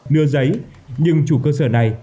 lưa giấy nhưng chủ cơ sở này